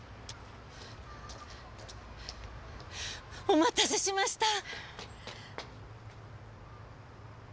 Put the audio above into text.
お待たせしました。